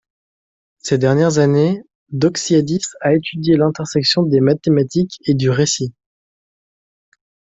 Ces dernières années, Doxiadis a étudié l'intersection des mathématiques et du récit.